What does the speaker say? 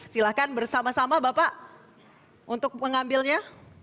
silahkan bersama sama bapak untuk mengambilnya